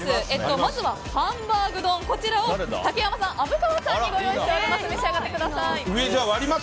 まずはハンバーグ丼をこちらを竹山さん、虻川さんにご用意しております。